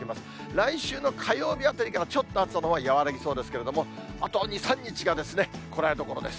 来週の火曜日あたりから、ちょっと暑さのほうは和らぎそうですけれども、あと２、３日がですね、こらえどころです。